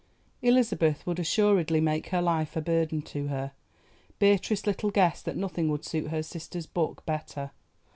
Elizabeth would assuredly make her life a burden to her. Beatrice little guessed that nothing would suit her sister's book better.